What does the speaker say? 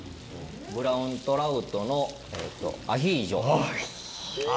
ブラウントラウトのアヒージョ。